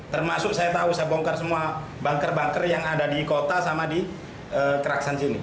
termasuk saya tahu saya bongkar semua bunker bunker yang ada di kota sama di keraksan sini